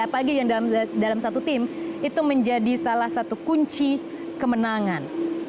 apalagi yang dalam satu tim itu menjadi salah satu kunci kemenangan